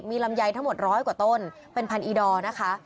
มีลำไยทั้งหมดร้อยกว่าต้นเป็นพันอีดอร์นะคะ